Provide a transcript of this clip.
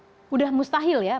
sudah mustahil ya